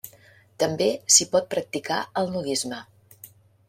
També s'hi pot practicar el nudisme.